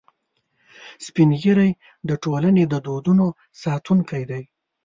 سپین ږیری د ټولنې د دودونو ساتونکي دي